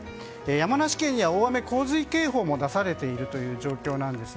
山梨県には大雨・洪水警報も出されている状況です。